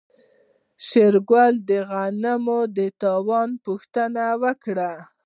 شېرګل د غنمو د تاوان پوښتنه وکړه.